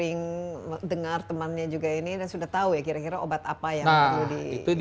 jadi dia sering dengar temannya juga ini dan sudah tahu ya kira kira obat apa yang perlu di